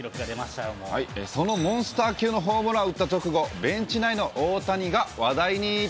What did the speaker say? そのモンスター級のホームランを打った直後、ベンチ内の大谷が話題に。